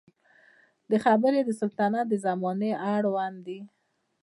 دا خبرې د سلطنت د زمانې اړوند دي.